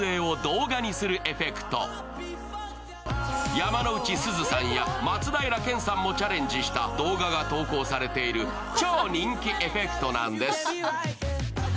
山之内すずさんや松平健さんもチャレンジした動画が投稿されている超人気エフェクトなんです。